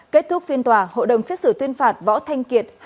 kết thúc phiên tòa hội đồng xét xử tuyên phạt võ thanh kiệt